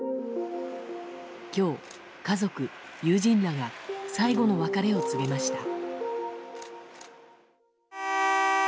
今日、家族・友人らが最後の別れを告げました。